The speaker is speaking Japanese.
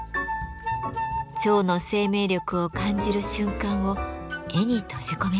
蝶の生命力を感じる瞬間を絵に閉じ込めました。